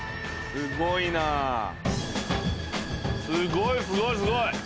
すごいすごいすごい。